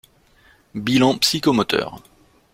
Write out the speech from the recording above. Bilan psychomoteur.